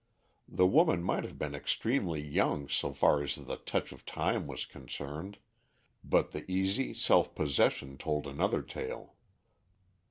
The woman might have been extremely young so far as the touch of time was concerned, but the easy self possession told another tale.